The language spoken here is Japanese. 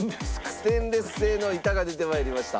ステンレス製の板が出て参りました。